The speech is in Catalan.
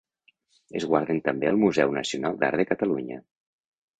Es guarden també al Museu Nacional d'Art de Catalunya.